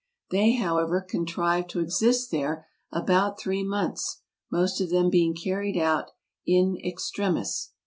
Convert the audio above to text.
They, however, contrived to exist there about three months, most of them being carried out in extremis.